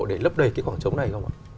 để lấp đầy cái khoảng trống này không ạ